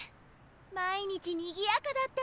毎日にぎやかだったなあ。